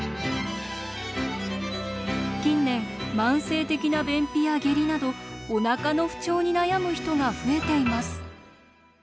近年慢性的な便秘や下痢などお腹の不調に悩む人が増えています。